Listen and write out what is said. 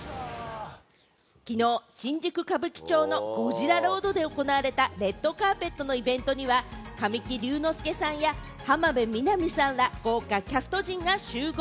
きのう新宿・歌舞伎町のゴジラロードで行われたレッドカーペットのイベントには、神木隆之介さんや浜辺美波さんら豪華キャスト陣が集合。